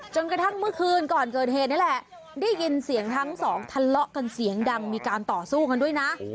กระทั่งเมื่อคืนก่อนเกิดเหตุนี่แหละได้ยินเสียงทั้งสองทะเลาะกันเสียงดังมีการต่อสู้กันด้วยนะ